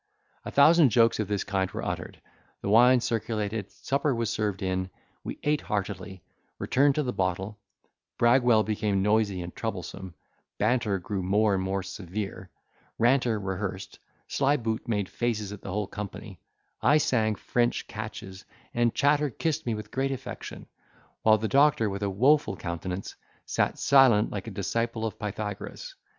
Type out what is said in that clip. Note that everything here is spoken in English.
A thousand jokes of this kind were uttered; the wine circulated, supper was served in, we ate heartily, returned to the bottle, Bragwell became noisy and troublesome, Banter grew more and more severe, Ranter rehearsed, Slyboot made faces at the whole company, I sang French catches, and Chatter kissed me with great affection; while the doctor, with a wofull countenance, sat silent like a disciple of Pythagoras.